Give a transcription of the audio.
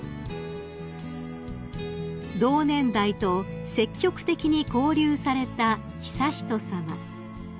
［同年代と積極的に交流された悠仁さま］